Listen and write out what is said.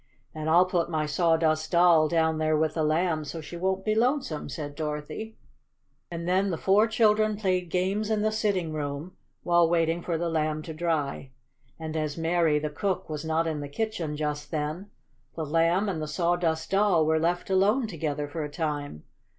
"And I'll put my Sawdust Doll down there with the Lamb so she won't be lonesome," said Dorothy. And then the four children played games in the sitting room, while waiting for the Lamb to dry. And as Mary, the cook, was not in the kitchen just then, the Lamb and the Sawdust Doll were left alone together for a time.